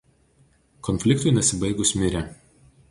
Konfliktui nesibaigus mirė.